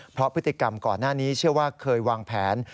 เพราะพฤติกรรมก่อนหน้านี้เชื่อว่าเคยวางแผน